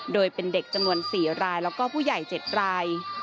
โดยเป็นเด็กจำนวน๔รายแล้วก็ผู้ใหญ่๗ราย